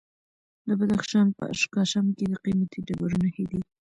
د بدخشان په اشکاشم کې د قیمتي ډبرو نښې دي.